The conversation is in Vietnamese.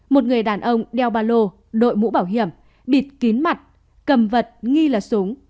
một người đàn ông đeo bà lô đội mũ bảo hiểm bịt kín mặt cầm vật nghi là súng